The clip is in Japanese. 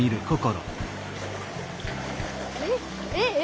えっえっえ！？